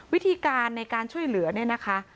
วิธีการในการช่วยเหลือเนี่ยนะคะ